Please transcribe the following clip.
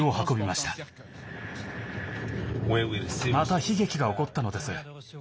また悲劇が起こったのです。